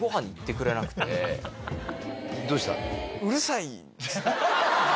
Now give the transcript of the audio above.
どうしたの？